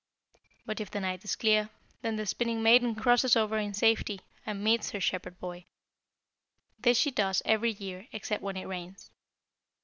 "But if the night is clear, then the Spinning maiden crosses over in safety, and meets her Shepherd boy. This she does every year except when it rains.